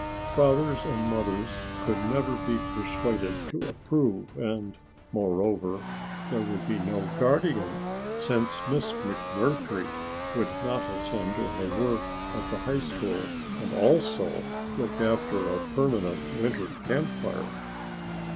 Fathers and mothers could never be persuaded to approve and, moreover, there would be no guardian, since Miss McMurtry could not attend to her work at the High School and also look after a permanent winter camp fire.